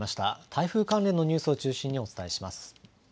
台風関連のニュースを中心にお伝えします。